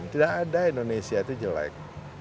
tidak ada indonesia itu jelek